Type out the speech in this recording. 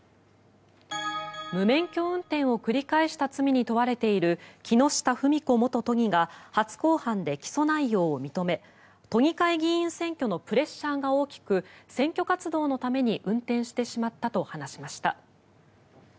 無免許運転を繰り返した罪に問われている木下富美子元都議が初公判で起訴内容を認め都議会議員選挙のプレッシャーが大きく選挙活動のために運転してしまったと話しました。